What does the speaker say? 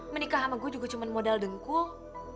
menikah sama gue juga cuma modal dengkul